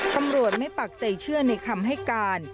ตำรวจไม่ปักใจเชื่อในคำให้การ